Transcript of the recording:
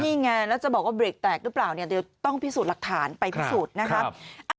นี่ไงแล้วจะบอกว่าเบรกแตกหรือเปล่าเนี่ยเดี๋ยวต้องพิสูจน์หลักฐานไปพิสูจน์นะครับ